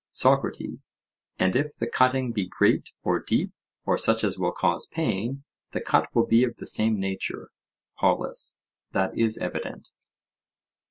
SOCRATES: And if the cutting be great or deep or such as will cause pain, the cut will be of the same nature? POLUS: That is evident.